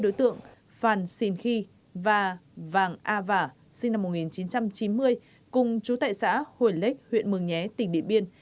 đối tượng phan sinh khi và vàng a vả sinh năm một nghìn chín trăm chín mươi cùng chú tại xã huỳnh lếch huyện mường nhé tỉnh điện biên